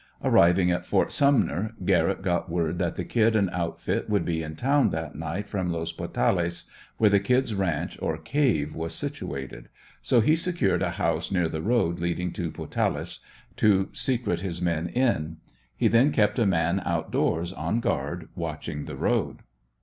Arriving in Ft. Sumner, Garrett got word that the Kid and outfit would be in town that night from Los Potales, where the 'Kid's' ranch or cave was situated, so he secured a house near the road leading to 'Potales,' to secret his men in. He then kept a man out doors, on guard, watching the road.